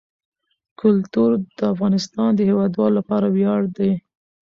کلتور د افغانستان د هیوادوالو لپاره ویاړ دی.